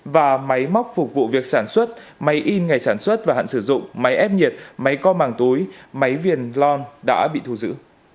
và máy móc phục vụ việc sản xuất máy in ngày sản xuất và hạn sử dụng máy ép nhiệt máy co màng túi máy viền long đã bị thu giữ